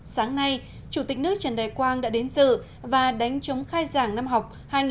sáng nay chủ tịch nước trần đại quang đã đến dự và đánh chống khai giảng năm học hai nghìn một mươi bảy hai nghìn một mươi tám